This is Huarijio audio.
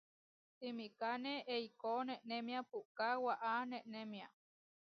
Simikáne eikó nenémia puʼká waʼá nenémia.